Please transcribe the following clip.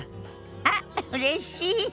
あっうれしい。